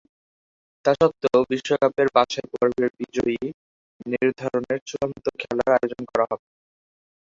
তাস্বত্ত্বেও বিশ্বকাপের বাছাইপর্বের বিজয়ী নির্ধারণে চূড়ান্ত খেলার আয়োজন করা হবে।